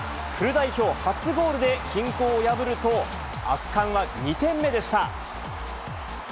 フル代表初ゴールで、均衡を破ると、圧巻は２点目でした。